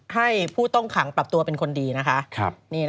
ให้ผู้ต้องขังปรับตัวเป็นคนดีนะคะ